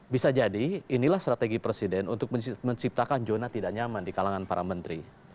bisa jadi inilah strategi presiden untuk menciptakan zona tidak nyaman di kalangan para menteri